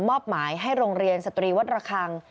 มอบหมายให้โรงเรียนสตรีวัดระคัง